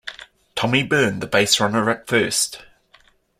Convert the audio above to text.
Tommy Byrne the base runner at first.